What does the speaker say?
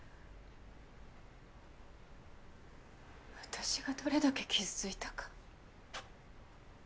私がどれだけ傷ついたか。